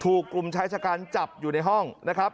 ถูกกลุ่มชายชะกันจับอยู่ในห้องนะครับ